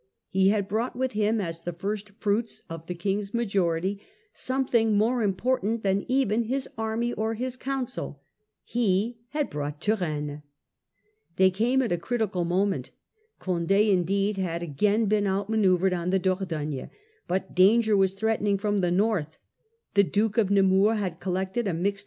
He had brought with him, as the first fruits of the King's majority, something more important than even his army or his counsel : he had brought Turenne. They came at a critical moment. Condd indeed had again been outmanoeuvred on the Dordogne. But C 't'cal danger was threatening from the north. The state of Duke of Nemours had collected a mixed affairs.